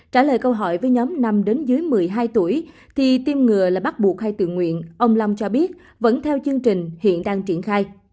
trả lời câu hỏi với nhóm năm đến dưới một mươi hai tuổi thì tiêm ngừa là bắt buộc hay tự nguyện ông long cho biết vẫn theo chương trình hiện đang triển khai